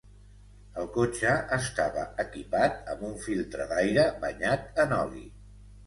El cotxe estava equipat amb un filtre d'aire banyat en oli.